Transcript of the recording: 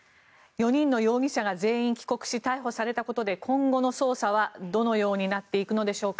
４人の容疑者全員が帰国し逮捕されたことで今後の捜査は、どのようになっていくのでしょうか。